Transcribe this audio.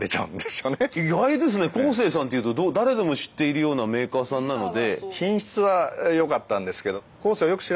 コーセーさんっていうと誰でも知っているようなメーカーさんなので。